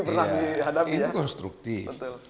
pernah dihadapi itu konstruktif